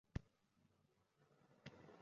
Hamma bizga qarab iljaya boshladi.